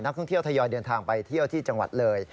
ท่องเที่ยวทยอยเดินทางไปเที่ยวที่จังหวัดเลย